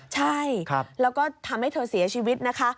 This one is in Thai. ใช่แล้วก็ทำให้เธอเสียชีวิตนะคะ